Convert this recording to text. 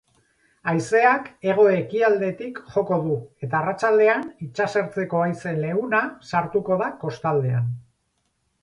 Haizeak hego-ekialdetik joko du eta arratsaldean itsasertzeko haize leuna sartuko da kostaldean.